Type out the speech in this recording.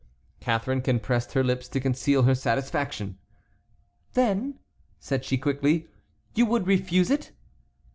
Catharine compressed her lips to conceal her satisfaction. "Then," said she, quickly, "you would refuse it?"